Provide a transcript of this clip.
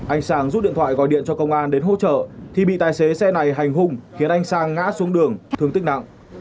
anh sang rút điện thoại gọi điện cho công an đến hỗ trợ thì bị tài xế xe này hành hung khiến anh sang ngã xuống đường thương tích nặng